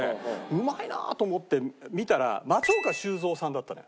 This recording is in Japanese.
うまいなと思って見たら松岡修造さんだったのよ。